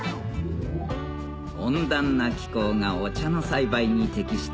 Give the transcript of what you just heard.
温暖な気候がお茶の栽培に適した